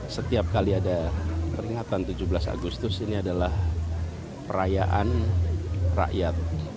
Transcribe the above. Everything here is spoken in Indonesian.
setiap kali ada peringatan tujuh belas agustus ini adalah perayaan rakyat